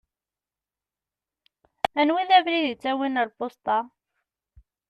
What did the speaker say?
Anwa i d abrid ittawin ɣer lpusṭa?